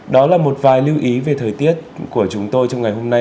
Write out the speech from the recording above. đó là một vài lưu ý về thời tiết của chúng tôi trong ngày hôm nay